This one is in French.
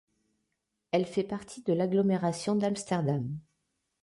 Elle fait partie de l'agglomération d'Amsterdam.